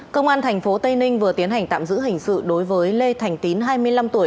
công an tp tây ninh vừa tiến hành tạm giữ hình sự đối với lê thành tín hai mươi năm tuổi